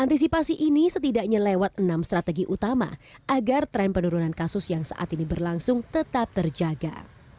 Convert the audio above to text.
antisipasi ini setidaknya lewat enam strategi utama agar tren penurunan kasus yang saat ini berlangsung tetap terjaga